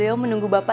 iya tante makasih ya